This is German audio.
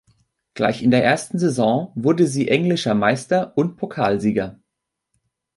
Gleich in der ersten Saison wurde sie englischer Meister und Pokalsieger.